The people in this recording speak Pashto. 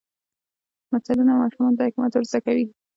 متلونه ماشومانو ته حکمت ور زده کوي.